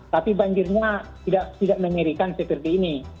tapi banjirnya tidak mengerikan seperti ini